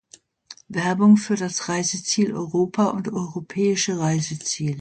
Werbung für das Reiseziel Europa und europäische Reiseziele.